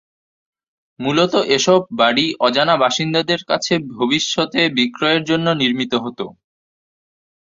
মূলত এসব বাড়ি অজানা বাসিন্দাদের কাছে ভবিষ্যতে বিক্রয়ের জন্য নির্মিত হত।